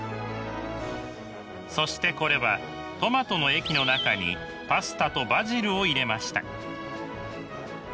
そしてこれはトマトの液の中にパスタとバジルを入れました。